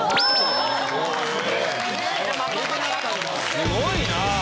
すごいなぁ。